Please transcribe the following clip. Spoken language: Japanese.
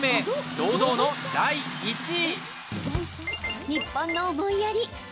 堂々の第１位。